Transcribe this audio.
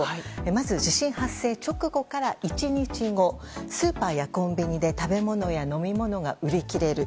まず地震発生直後から１日後スーパーやコンビニで食べ物や飲み物が売り切れる。